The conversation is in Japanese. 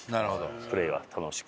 プレーは楽しく。